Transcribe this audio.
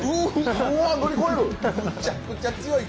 うわ乗り越える！